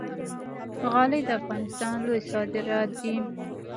غالۍ د افغانستان لوی صادرات دي